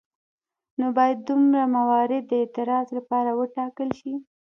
نو باید داسې موارد د اعتراض لپاره وټاکل شي.